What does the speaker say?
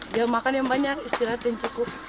dia makan yang banyak istirahat yang cukup